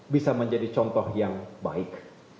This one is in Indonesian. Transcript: bisa menjadi contoh yang baik